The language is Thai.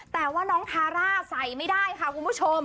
แต่ว่าน้องทาร่าใส่ไม่ได้ค่ะคุณผู้ชม